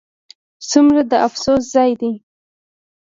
ځومره د افسوس ځاي دي